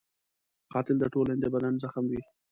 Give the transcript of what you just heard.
قاتل د ټولنې د بدن زخم وي